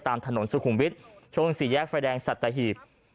ตามถนนสุขุมวิทย์ช่วงสี่แยกไฟแดงสัตหีบ